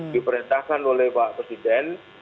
diperintahkan oleh pak presiden